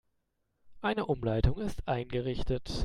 Eine Umleitung ist eingerichtet.